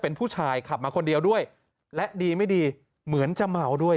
เป็นผู้ชายขับมาคนเดียวด้วยและดีไม่ดีเหมือนจะเมาด้วย